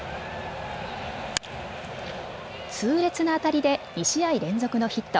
痛烈な当たりで２試合連続のヒット。